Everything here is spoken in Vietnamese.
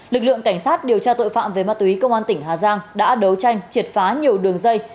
lực lượng cảnh sát điều tra tội phạm về ma túy công an tỉnh hà giang đã đấu tranh triệt phá nhiều đường dây